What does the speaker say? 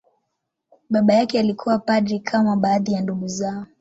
Baba yake alikuwa padri, kama baadhi ya ndugu zao.